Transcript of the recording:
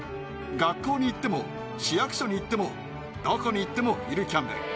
学校に行っても市役所に行ってもどこに行っても「フィル・キャンベル」。